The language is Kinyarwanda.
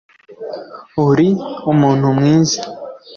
uri umuntu mwiza